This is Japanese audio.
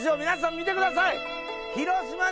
皆さん見てください！